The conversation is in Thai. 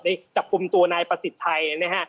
จับกลุ่มตัวนายประสิทธิ์ชัยนะฮะ